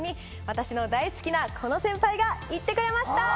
私の大好きなこの先輩が行ってくれました！